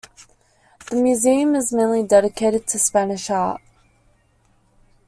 The museum is mainly dedicated to Spanish art.